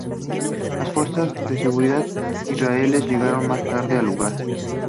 Las fuerzas de seguridad israelíes llegaron más tarde al lugar.